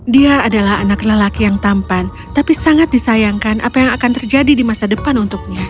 dia adalah anak lelaki yang tampan tapi sangat disayangkan apa yang akan terjadi di masa depan untuknya